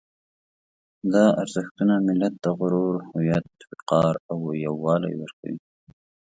دا ارزښتونه ملت ته غرور، هویت، وقار او یووالی ورکوي.